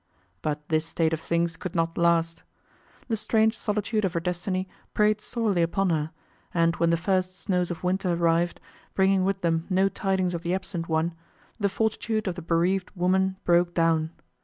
But this state of things could not last. The strange solitude of her destiny preyed sorely upon her and when the first snows of winter arrived, bringing with them no tidings of the absent one, the fortitude of the bereaved woman broke down.